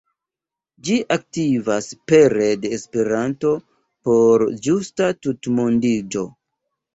Ĝi aktivas pere de Esperanto por justa tutmondiĝo.